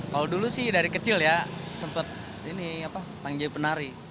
kalau dulu sih dari kecil ya sempet ini apa pengen jadi penari